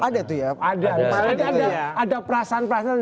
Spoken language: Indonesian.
ada tuh ya ada perasaan perasaan